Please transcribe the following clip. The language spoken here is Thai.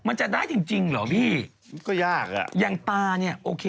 มันจะได้จริงจริงเหรอพี่ก็ยากอ่ะอย่างตาเนี่ยโอเค